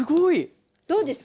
どうですか？